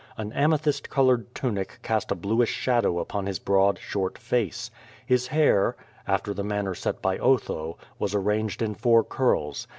An amethyst colored tunic cast a bluish shadow upon his broad, short face. His hair, after the manner set by Otho, was arranged in four curls.